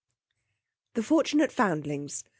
THE FORTUNATE FOUNDLINGS.